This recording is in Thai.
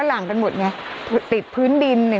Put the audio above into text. กรมป้องกันแล้วก็บรรเทาสาธารณภัยนะคะ